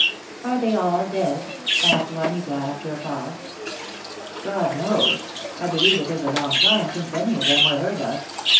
"Are they all dead?" asked Juanita, after a pause. "God knows. I believe it is a long time since any of them were heard of.